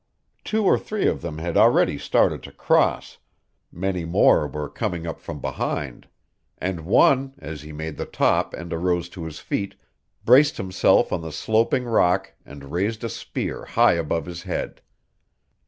Two or three of them had already started to cross; many more were coming up from behind; and one, as he made the top and arose to his feet, braced himself on the sloping rock and raised a spear high above his head.